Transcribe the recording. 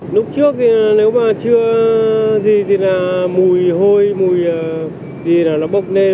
lúc trước thì nếu mà chưa gì thì là mùi hôi mùi gì là nó bốc lên